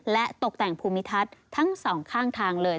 และตกแต่งภูมิทัศน์ทั้งสองข้างทางเลย